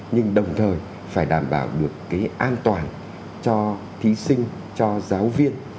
nhưng đồng thời phải đảm bảo được cái an toàn cho thí sinh cho giáo viên